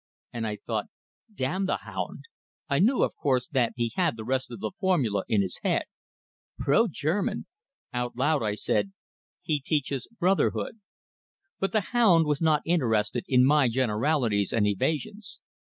And I thought: "Damn the hound!" I knew, of course, that he had the rest of the formula in his head: "Pro German!" Out loud I said: "He teaches brotherhood." But the hound was not interested in my generalities and evasions.